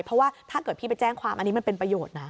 เพราะว่าถ้าเกิดพี่ไปแจ้งความอันนี้มันเป็นประโยชน์นะ